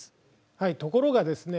はいところがですね